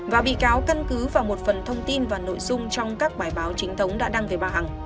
và bị cáo căn cứ vào một phần thông tin và nội dung trong các bài báo chính thống đã đăng về bà hằng